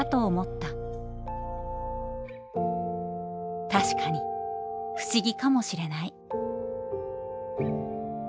「たしかに不思議かもしれない」。